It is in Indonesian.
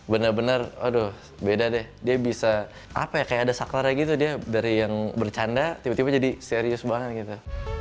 benar benar aduh beda deh dia bisa apa ya kayak ada saklarnya gitu dia dari yang bercanda tiba tiba jadi serius banget gitu